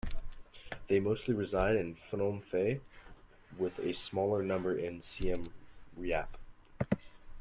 They mostly reside in Phnom Penh, with a smaller number in Siam Reap.